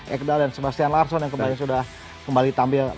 ekdal dan sebastian larsson yang kembali sudah kembali tampil